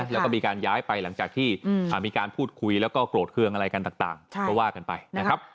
แล้วก็มีการย้ายไปหลังจากที่มีการพูดคุยแล้วก็โกรธเครื่องอะไรกันต่างก็ว่ากันไปนะครับ